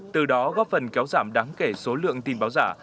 từ đó góp phần kéo giảm đáng kể số lượng tin báo giả